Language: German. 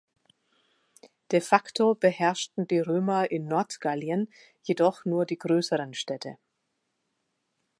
De facto beherrschten die Römer in Nordgallien jedoch nur die größeren Städte.